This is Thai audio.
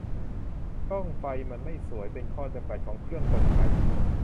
ช่องไฟมันไม่สวย เป็นข้อจำกัดของเครื่องกลไก